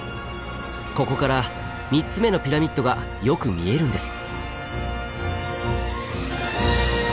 ここから３つ目のピラミッドがよく見えるんです。